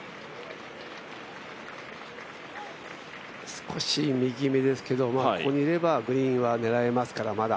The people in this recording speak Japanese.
少し右目ですけどここにいればグリーンは狙えますから、まだ。